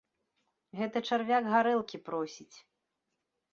Гэта чарвяк гарэлкі просіць.